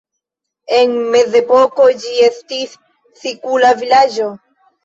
En mezepoko ĝi estis sikula vilaĝo.